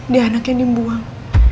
dia anaknya dibuang